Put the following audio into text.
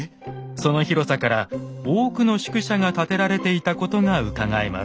その広さから多くの宿舎が建てられていたことがうかがえます。